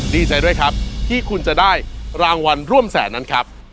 ดีใจด้วยครับที่คุณจะได้รางวัลร่วมแสนนั้นครับ